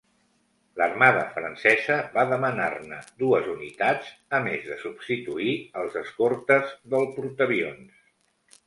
L'armada francesa va demanar-ne dues unitats, a més de substituir els escortes del portaavions.